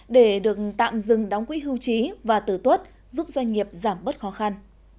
để được tạm dừng đóng quỹ hưu trí và tử tuất giúp doanh nghiệp giảm bớt khó khăn